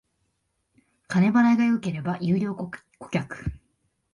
金払いが良ければ優良顧客